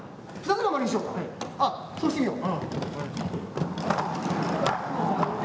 あそうしてみよう。